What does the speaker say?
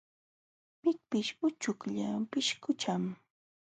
Pikpish uchuklla pishqucham.